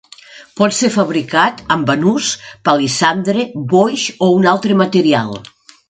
Pot ser fabricat amb banús, palissandre, boix o un altre material.